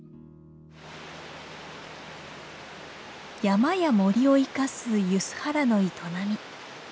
山や森を生かす梼原の営み。